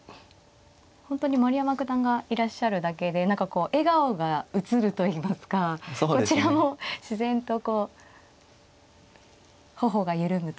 本当に丸山九段がいらっしゃるだけで何かこう笑顔がうつるといいますかこちらも自然とこう頬が緩むというか。